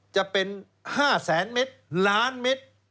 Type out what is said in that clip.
จะเป็น๕๐๐๐๐๐เมตรล้านเมตร